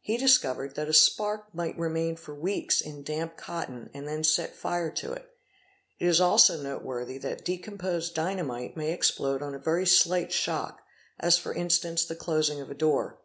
He discovered that a spark might remain for weeks in damp cotton and then set fire to' it.. It is also noteworthy that — decomposed dynamite may explode on a very slight shock, as for instance the closing of a door.